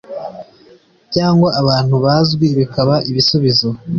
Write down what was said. cyangwa abantu bazwi bikaba ibisubizo